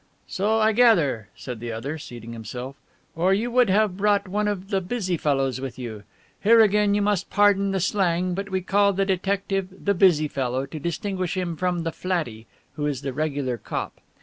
"So I gather," said the other, seating himself, "or you would have brought one of the 'busy fellows' with you. Here again you must pardon the slang but we call the detective the 'busy fellow' to distinguish him from the 'flattie,' who is the regular cop.